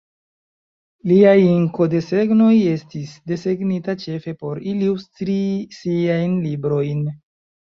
Liaj inkodesegnoj estis desegnita ĉefe por ilustri siajn librojn.